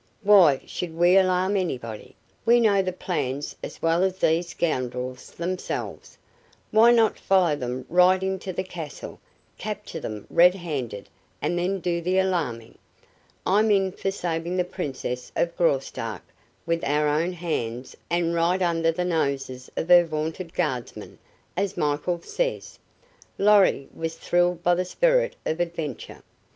"Why should we alarm anybody? We know the plans as well as these scoundrels themselves. Why not follow them right into the castle, capture them red handed, and then do the alarming? I'm in for saving the Princess of Graustark with our own hands and right under the noses of her vaunted guardsmen, as Michael says." Lorry was thrilled by the spirit of adventure.